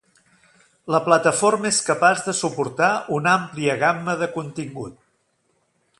La plataforma és capaç de suportar una àmplia gamma de contingut.